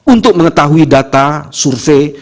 untuk mengetahui data survei